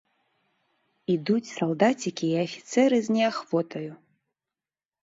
Ідуць салдацікі і афіцэры з неахвотаю.